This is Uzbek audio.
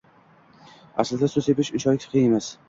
Aslida suv sepish unchalik qiyin emas.